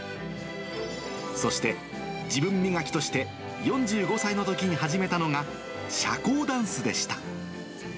そして自分磨きとして４５歳のときに始めたのが、社交ダンスでした。